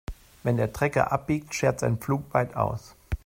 Wenn der Trecker abbiegt, schert sein Pflug weit aus.